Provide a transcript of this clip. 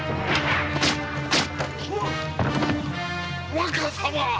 若様！